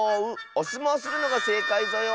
おすもうするのがせいかいぞよ。